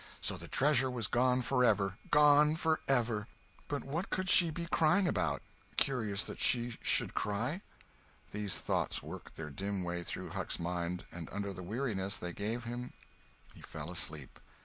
So the treasure was gone forever—gone forever! But what could she be crying about? Curious that she should cry. These thoughts worked their dim way through Huck's mind, and under the weariness they gave him he fell asleep.